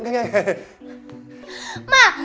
hai ada apa sih